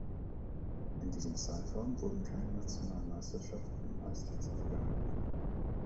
In diesem Zeitraum wurden keine nationalen Meisterschaften im Eistanz abgehalten.